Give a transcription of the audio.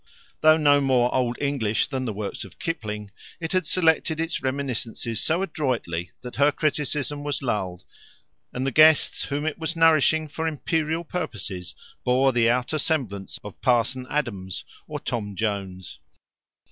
Though no more Old English than the works of Kipling, it had selected its reminiscences so adroitly that her criticism was lulled, and the guests whom it was nourishing for imperial purposes bore the outer semblance of Parson Adams or Tom Jones.